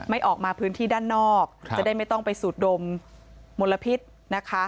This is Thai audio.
ไม่ออกมาพื้นที่ด้านนอกจะได้ไม่ต้องไปสูดดมมลพิษนะคะ